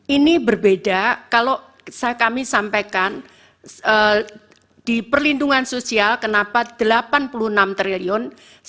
ini berbeda kalau kami sampaikan di perlindungan sosial kenapa rp delapan puluh enam triliun